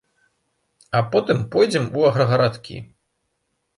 А потым пойдзем у аграгарадкі.